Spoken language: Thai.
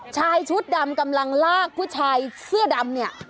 ชายชุดดำกำลังลากผู้ชายเสื้อดำเนี่ย